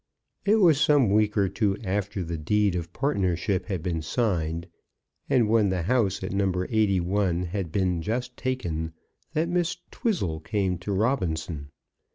It was some week or two after the deed of partnership had been signed, and when the house at No. 81 had been just taken, that Miss Twizzle came to Robinson.